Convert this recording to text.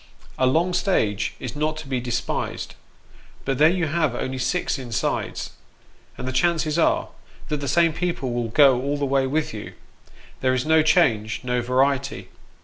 A long stage is not to be despised, but there you have only six insides, and the chances are, that the same people go all the way with you there is no change, no variety.